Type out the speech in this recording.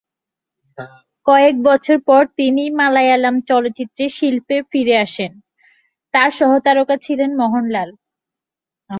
কয়েক বছর পর, তিনি মালায়ালাম চলচ্চিত্রে শিল্পে ফিরে আসেন, তার সহ-তারকা ছিলেন মহনলাল।